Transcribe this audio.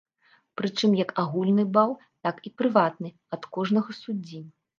Прычым як агульны бал, так і прыватны, ад кожнага суддзі.